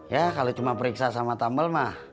ya kalau cuma periksa sama tumble mah